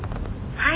はい。